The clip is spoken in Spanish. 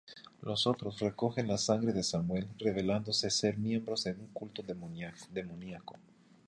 Los otros recogen la sangre de Samuel, revelándose ser miembros de un culto demoníaco.